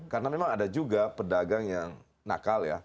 karena memang ada juga pedagang yang nakal ya